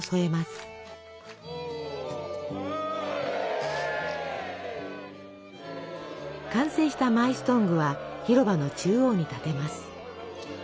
完成したマイストングは広場の中央に立てます。